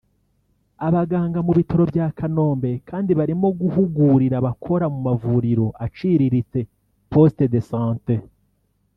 Abaganga mu Bitaro bya Kanombe kandi barimo guhugurira abakora mu mavuriro aciriritse (Postes de Santés)